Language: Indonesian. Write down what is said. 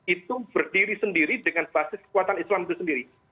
itu berdiri sendiri dengan basis kekuatan islam itu sendiri